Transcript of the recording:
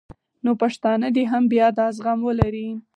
نو پښتانه دې هم بیا دا زغم ولري